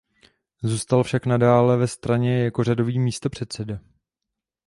Zůstal však nadále ve straně jako řadový místopředseda.